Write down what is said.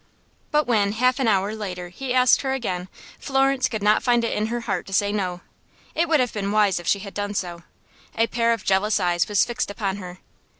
But when, half an hour later, he asked her again, Florence could not find it in her heart to say no. It would have been wise if she had done so. A pair of jealous eyes was fixed upon her.